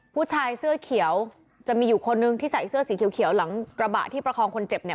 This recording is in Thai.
ผู้ชายเสื้อเขียวจะมีอยู่คนนึงที่ใส่เสื้อสีเขียวหลังกระบะที่ประคองคนเจ็บเนี่ย